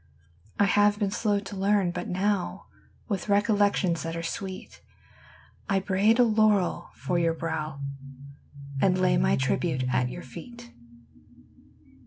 I have been slow to learn, but now, With recollections ■ that are sweet, I braid a laurel for your brow And lay my tribute at your eet.